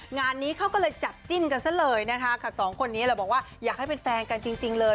งานนี้เขาก็เลยจับจิ้นกันซะเลยนะคะค่ะสองคนนี้แหละบอกว่าอยากให้เป็นแฟนกันจริงเลย